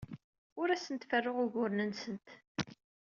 Ur asent-ferruɣ uguren-nsent.